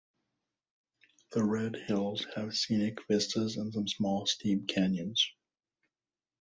The Red Hills have scenic vistas and some small steep canyons.